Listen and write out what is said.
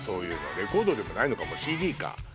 レコードでもないのかＣＤか。